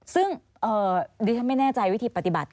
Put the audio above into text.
ซึ่งดิฉันไม่แน่ใจวิธีปฏิบัติ